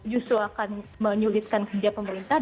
justru akan menyulitkan kerja pemerintah